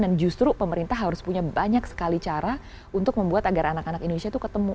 dan justru pemerintah harus punya banyak sekali cara untuk membuat agar anak anak indonesia itu ketemu